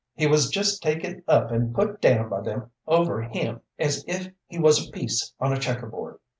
He was just taken up and put down by them over him as if he was a piece on a checker board.